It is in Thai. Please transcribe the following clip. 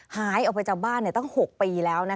หายออกไปจากบ้านตั้ง๖ปีแล้ว